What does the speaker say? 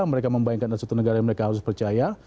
mereka membayangkan ada satu negara yang mereka harus percaya